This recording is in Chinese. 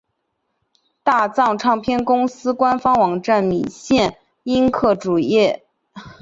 大藏唱片公司官方网站米线音客主页